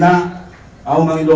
saya ingin meminta